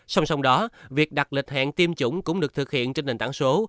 xong xong đó việc đặt lịch hẹn tiêm chủng cũng được thực hiện trên nền tảng số